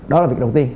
đó là việc đầu tiên